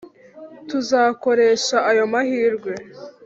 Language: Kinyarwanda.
tuzakoresha ayo mahirwe